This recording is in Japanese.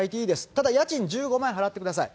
ただ家賃１５万円払ってください。